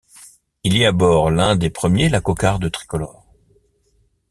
Il y arbore l'un des premiers la cocarde tricolore.